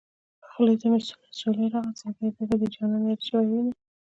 خولې ته مې سوړ اوسېلی راغی زړګيه بيا به دې جانان ياد شوی وينه